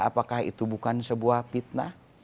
apakah itu bukan sebuah fitnah